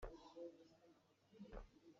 Rawl kan phiar lioah ka hmuh.